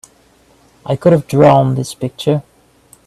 I could have drawn this picture!